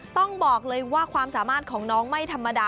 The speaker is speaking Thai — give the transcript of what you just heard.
ต้องบอกเลยว่าความสามารถของน้องไม่ธรรมดา